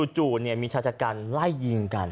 จู่เนี่ยมีชาชกันไล่ยิงกัน